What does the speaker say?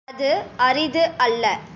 அது அரிது அல்ல.